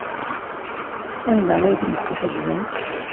Anda ay tent-tḥejbemt?